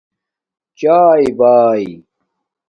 چایے باݵں